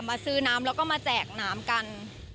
มาซื้อน้ำแล้วก็มาแจกน้ำกัน